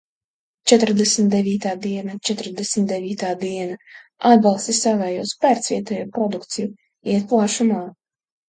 Četrdesmit devītā diena. Četrdesmit devītā diena Atbalsti savējos, pērc vietējo produkciju - iet plašumā.